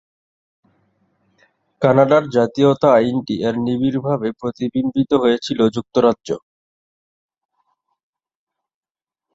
কানাডার জাতীয়তা আইনটি এর নিবিড়ভাবে প্রতিবিম্বিত হয়েছিল যুক্তরাজ্য।